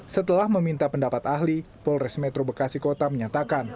setelah meminta pendapat ahli polres metro bekasi kota menyatakan